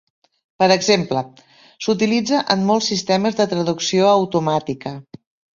Per exemple, s"utilitza en molts sistemes de traducció automàtica.